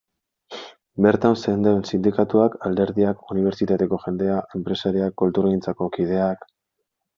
Bertan zeuden sindikatuak, alderdiak, unibertsitateko jendea, enpresariak, kulturgintzako kideak...